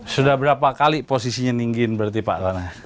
sudah berapa kali posisinya ninggin berarti pak